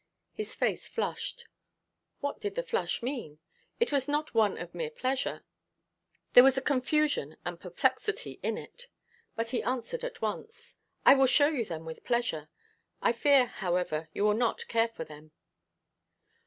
His face flushed. What did the flush mean? It was not one of mere pleasure. There was confusion and perplexity in it. But he answered at once: "I will show you them with pleasure. I fear, however, you will not care for them."